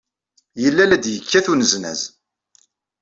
Yella la d-yekkat uneznaz.